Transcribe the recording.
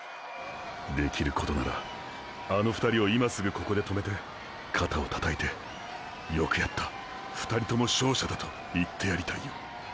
できることならあの２人を今すぐここで止めて肩をたたいて「よくやった２人とも勝者だ」と言ってやりたいよ。